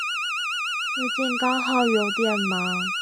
最近剛好有點忙